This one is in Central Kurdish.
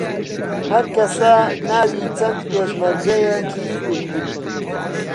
هەر کەسە ناوی چەند پێشمەرگەیەکی گوت